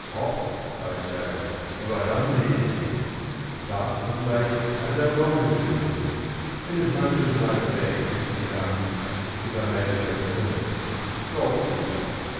Oft, I say, have I done these things; But of late I no longer do them, Inasmuch as my bank Has become (if I may so term it) Golf ridden.